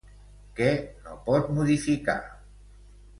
Què no pot modificar?